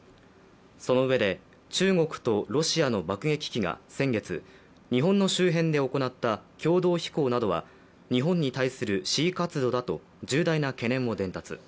そのうえで、中国とロシアの爆撃機が先月、日本の周辺で行った共同飛行などは日本に対する示威活動だと重大な懸念を伝達。